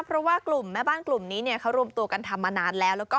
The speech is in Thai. เพราะว่ากลุ่มแม่บ้านกลุ่มนี้เขารวมตัวกันทำมานานแล้ว